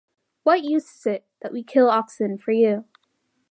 What use is it that we kill oxen for you?